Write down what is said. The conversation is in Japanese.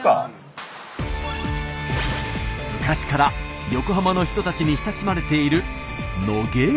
昔から横浜の人たちに親しまれている野毛へ。